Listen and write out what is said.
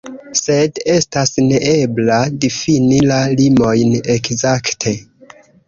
Sed estas neebla difini la limojn ekzakte.